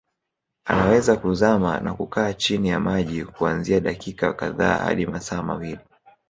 Anaweza kuzama na kukaa chini ya maji kuanzia dakika kadhaa hadi masaa mawili